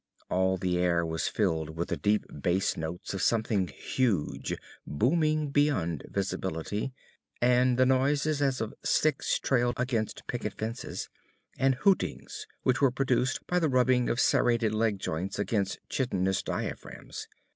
All the air was filled with the deep bass notes of something huge, booming beyond visibility, and the noises as of sticks trailed against picket fences, and hootings which were produced by the rubbing of serrated leg joints against chitinous diaphragms.